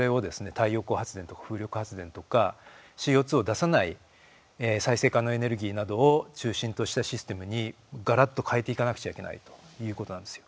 太陽光発電とか風力発電とかＣＯ２を出さない再生可能エネルギーなどを中心としたシステムにがらっと変えていかなくちゃいけないということなんですよ。